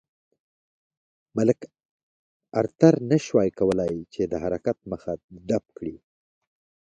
مک ارتر نه شوای کولای چې د حرکت مخه ډپ کړي.